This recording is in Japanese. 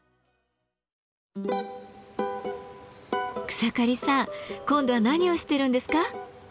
草刈さん今度は何をしてるんですか？